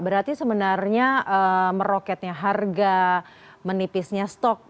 berarti sebenarnya meroketnya harga menipisnya stok